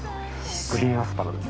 グリーンアスパラです。